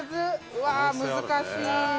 うわー難しい。